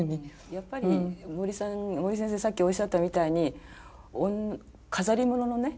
やっぱり森さん森先生さっきおっしゃったみたいに飾り物のね